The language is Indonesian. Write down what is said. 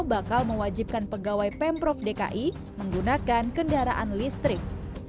bakal mewajibkan pegawai pemprov dki menggunakan kendaraan listrik